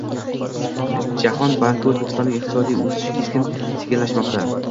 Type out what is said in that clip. Jahon banki: O'zbekistonning iqtisodiy o'sishi keskin sekinlashmoqda